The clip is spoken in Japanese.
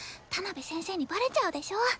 田辺先生にバレちゃうでしょ。